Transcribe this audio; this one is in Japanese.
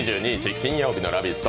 金曜日の「ラヴィット！」